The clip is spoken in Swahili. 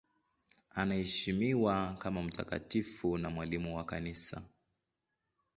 Anaheshimiwa kama mtakatifu na mwalimu wa Kanisa.